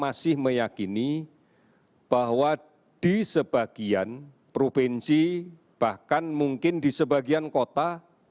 masih meyakini bahwa di sebagian provinsi bahkan mungkin di sebagian kota